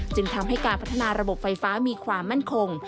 จึงทำให้การพัฒนาระบบไฟฟ้ามีความมั่นคง